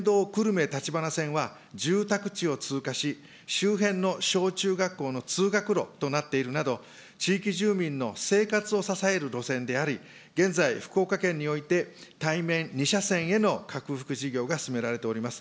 一方、県道久留米立花線は住宅地を通過し、周辺の小中学校の通学路となっているなど、地域住民の生活を支える路線であり、現在、福岡県において、対面２車線への拡幅事業が進められております。